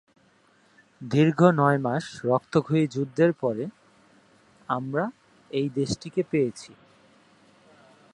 এই বিপ্লবের পর বাথ পার্টি ইরাকি-নেতৃত্বাধীন বাথ আন্দোলন ও সিরিয়ান-নেতৃত্বাধীন বাথ আন্দোলনে বিভক্ত হয়ে পড়ে।